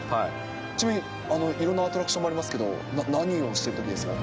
ちなみに、いろんなアトラクションもありますけれども、何をしてるときですか。